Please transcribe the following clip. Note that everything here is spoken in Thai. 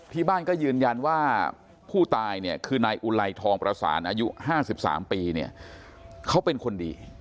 พี่บ้านก็ยืนยันว่าผู้ตายคือนายอุลัยทองประสานอายุ๕๓ปีเขาเป็นคนดี